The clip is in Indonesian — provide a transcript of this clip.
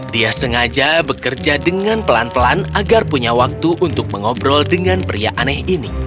dia sengaja bekerja dengan pelan pelan agar punya waktu untuk mengobrol dengan pria aneh ini